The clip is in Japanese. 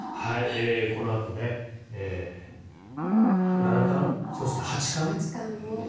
このあと七冠そして八冠。